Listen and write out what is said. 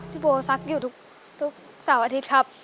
พี่โบซักอยู่ทุกเสาร์อาทิตย์ครับ